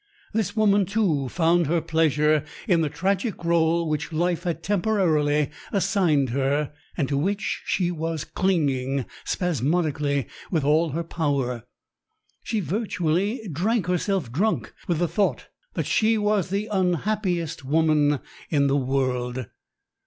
This woman, too, found her pleasure in the tragic role which life had temporarily assigned her and to which she was clinging spasmodically with all her power. She virtually drank herself drunk with the thought that she was the unhappiest woman in the world.